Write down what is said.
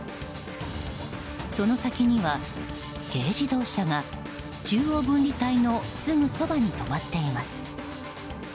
その先には、軽自動車が中央分離帯のすぐそばに止まっています。